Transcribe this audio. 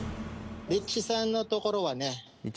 リッチーさんのところはね。